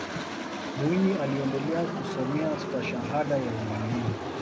mwinyi alienda kusomea stashahada ya ualimu